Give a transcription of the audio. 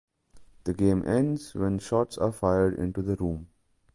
The game ends when shots are fired into the room.